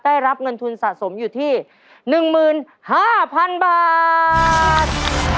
ได้รับเงินทุนสะสมอยู่ที่๑๕๐๐๐บาท